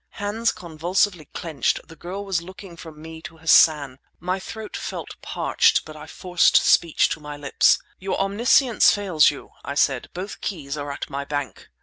Hands convulsively clenched, the girl was looking from me to Hassan. My throat felt parched, but I forced speech to my lips. "Your omniscience fails you," I said. "Both keys are at my bank!"